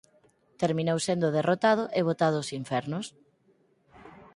Terminou sendo derrotado e botado ós infernos.